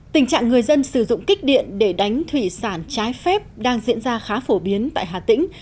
tình trạng người dân sử dụng kích điện để đánh thủy sản trái phép đang diễn ra khá phổ biến tại hà tĩnh